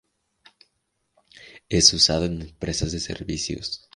Es usado en empresas de servicios.